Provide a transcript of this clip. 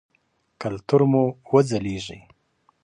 کلتور مو وځلیږي.